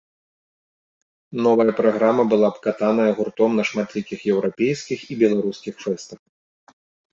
Новая праграма была абкатаная гуртом на шматлікіх еўрапейскіх і беларускіх фэстах.